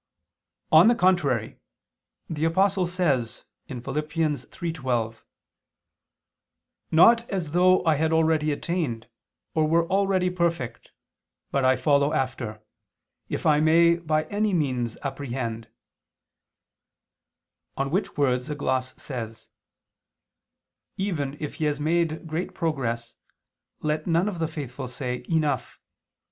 On the contrary, The Apostle says (Phil. 3:12): "Not as though I had already attained, or were already perfect; but I follow after, if I may, by any means apprehend," on which words a gloss says: "Even if he has made great progress, let none of the faithful say: 'Enough.'